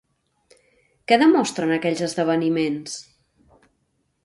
Què demostren aquells esdeveniments?